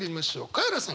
カエラさん。